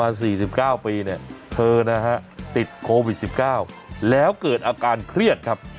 ๔๙ปีเนี่ยเธอนะฮะติดโควิด๑๙แล้วเกิดอาการเครียดครับ